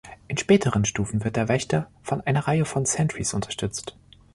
In späteren Stufen wird der Wächter von einer Reihe von „Sentries“ unterstützt.